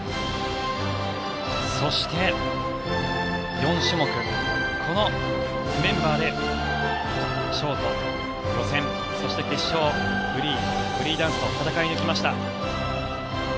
そして４種目このメンバーでショート、予選そして、決勝フリー、フリーダンスと戦い抜きました。